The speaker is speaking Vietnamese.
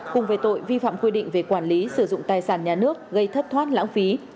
cùng về tội vi phạm quy định về quản lý sử dụng tài sản nhà nước gây thất thoát lãng phí